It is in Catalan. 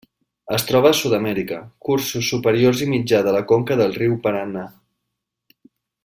Es troba a Sud-amèrica: cursos superior i mitjà de la conca del riu Paranà.